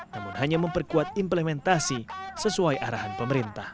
namun hanya memperkuat implementasi sesuai arahan pemerintah